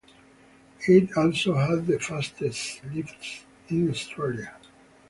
It also had the fastest lifts in Australia.